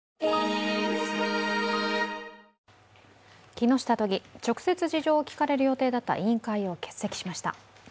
木下都議、直接事情を聴かれる予定だった委員会を欠席しました。